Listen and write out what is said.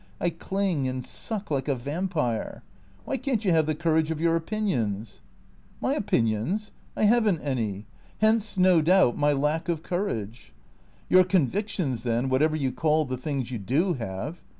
I cling and suck like a vampire. AVhy can't you have the cour age of your opinions ?"" My opinions ? I have n't any. Hence, no doubt, my lack of courage." " Your convictions, then, whatever you call the things you do have.